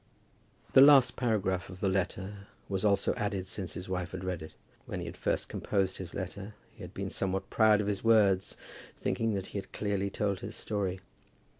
The last paragraph of the letter was also added since his wife had read it. When he had first composed his letter, he had been somewhat proud of his words, thinking that he had clearly told his story.